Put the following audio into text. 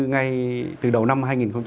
ngay từ đầu năm hai nghìn hai mươi